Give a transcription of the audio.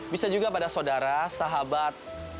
bisa juga pada saudara sahabat